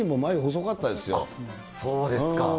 そうですか。